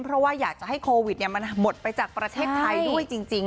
เพราะว่าอยากจะให้โควิดมันหมดไปจากประเทศไทยด้วยจริง